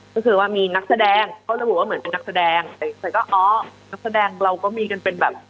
ก็คือว่ามีนักแสดงเขาระบุว่าเหมือนเป็นนักแสดงแต่ก็อ๋อนักแสดงเราก็มีกันเป็นแบบ